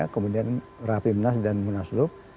kemudian rapi menas dan menasluk